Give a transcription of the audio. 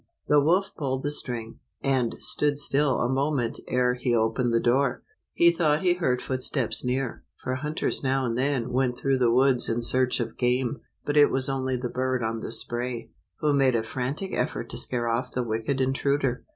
The wolf pulled the string, and stood still a moment ere he opened the door. He thought he heard footsteps near, for hunters now and then went through the woods in search of game, but it was only the bird on the spray, who made a frantic effort to scare off the wicked intruder.